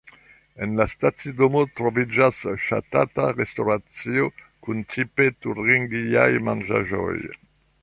En la stacidomo troviĝas ŝatata restoracio kun tipe turingiaj manĝaĵoj.